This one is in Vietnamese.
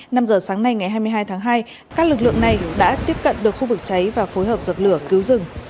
năm giờ sáng nay ngày hai mươi hai tháng hai các lực lượng này đã tiếp cận được khu vực cháy và phối hợp dập lửa cứu rừng